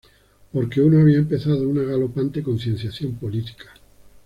Porque uno había empezado una galopante concienciación política".